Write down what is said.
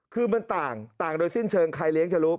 คือมันต่างโดยสิ้นเชิงใครเลี้ยงจะรู้